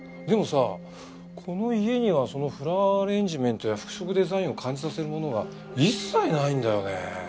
でもさこの家にはそのフラワーアレンジメントや服飾デザインを感じさせるものが一切ないんだよね。